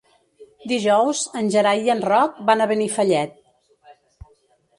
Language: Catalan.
Dijous en Gerai i en Roc van a Benifallet.